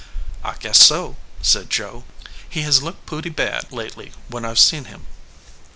"I guess so," said Joe. "He has looked pooty bad lately when I ve seen him."